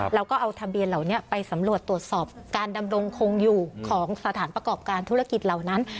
เราก็เอาทะเบียนเหล่านี้ไปสำรวจตรวจสอบการดำรงคงอยู่ของสถานประกอบการธุรกิจเหล่านั้น